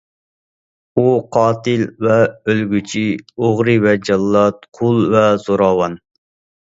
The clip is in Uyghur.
ئۇ قاتىل ۋە ئۆلگۈچى، ئوغرى ۋە جاللات، قۇل ۋە زوراۋان.